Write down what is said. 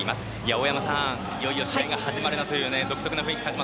大山さん、いよいよ試合が始まるなという独特の雰囲気